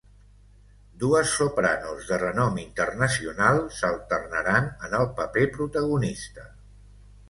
Dues sopranos de renom internacional s’alternaran en el paper protagonista.